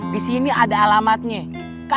disini ada alamatnya